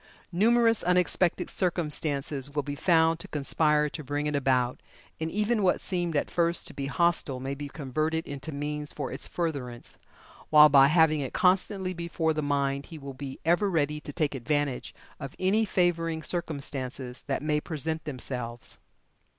Numerous unexpected circumstances will be found to conspire to bring it about, and even what seemed at first to be hostile may be converted into means for its furtherance; while by having it constantly before the mind he will be ever ready to take advantage of any favoring circumstances that may present themselves."